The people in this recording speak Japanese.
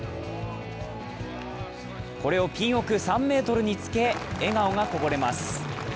これをピン奥３ｍにつけ、笑顔がこぼれます。